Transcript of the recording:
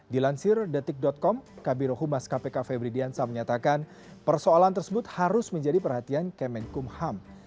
dilansir detik com kabiro humas kpk febridiansa menyatakan persoalan tersebut harus menjadi perhatian kemenkum ham